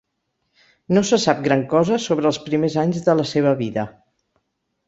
No se sap gran cosa sobre els primers anys de la seva vida.